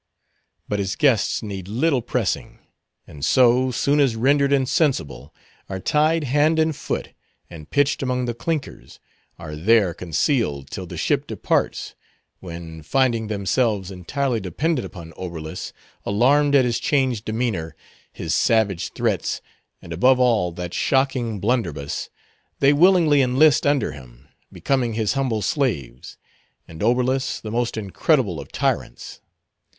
But his guests need little pressing; and so, soon as rendered insensible, are tied hand and foot, and pitched among the clinkers, are there concealed till the ship departs, when, finding themselves entirely dependent upon Oberlus, alarmed at his changed demeanor, his savage threats, and above all, that shocking blunderbuss, they willingly enlist under him, becoming his humble slaves, and Oberlus the most incredible of tyrants.